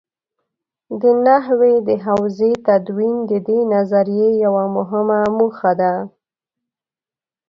د نحوې د حوزې تدوین د دې نظریې یوه مهمه موخه ده.